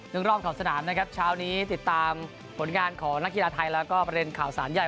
รอบขอบสนามนะครับเช้านี้ติดตามผลงานของนักกีฬาไทยแล้วก็ประเด็นข่าวสารใหญ่